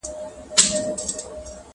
ما ته خدای وو دا وړیا نغمت راکړی.!